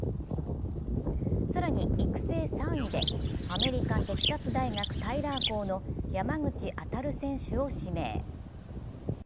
更に育成３位で、アメリカ・テキサス大学タイラー校の山口アタル選手を指名。